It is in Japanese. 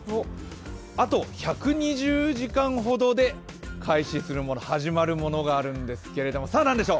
あと１２０時間ほどで開始するもの、始まるものがあるんですがさあ、なんでしょう？